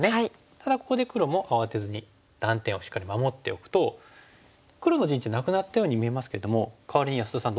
ただここで黒も慌てずに断点をしっかり守っておくと黒の陣地なくなったように見えますけどもかわりに安田さん